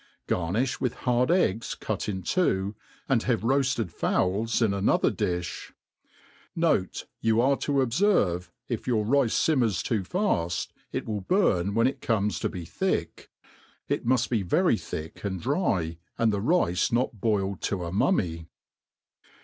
GartiMh with hard eggs cut in two^^ and hat^ foafted fowla in anotfaet difii. ' Note, Yoit arc to <*fcrvc, if jrour rice fimmeiis too faft, it will burn W^en: it coities; to be thicks k muft be tery thick aiid dry,, and the rice not boiled to a mummy.